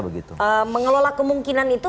begitu mengelola kemungkinan itu